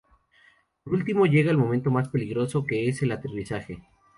Por último llega el momento más peligroso, que es el aterrizaje.